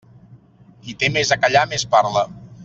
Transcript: Qui té més a callar més parla.